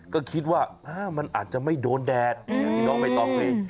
ก็คิดว่ามันอาจจะไม่โดนแดดอย่างที่น้องใบตองเพลง